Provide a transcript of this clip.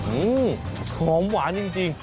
อืมหอมหวานจริง